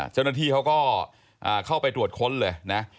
เจ้าหน้าที่เขาก็เข้าไปตรวจค้นเลยนะ